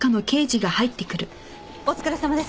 お疲れさまです。